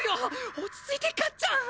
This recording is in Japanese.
落ち着いてかっちゃん。